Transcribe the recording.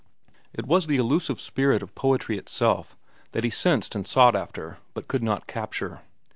It was the elusive spirit of poetry itself that he sensed and sought after but could not capture.